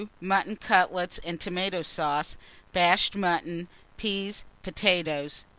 Mutton cutlets and tomato sauce, bashed mutton, peas, potatoes.